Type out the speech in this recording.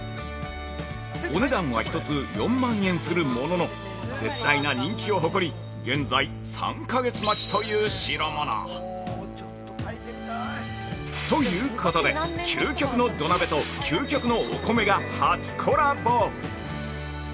お値段は１つ４万円するものの絶大な人気を誇り現在、３か月待ちという代物。ということで、究極の土鍋と究極のお米が初コラボ！